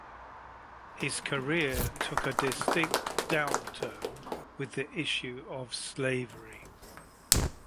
His career took a distinct downturn with the issue of slavery.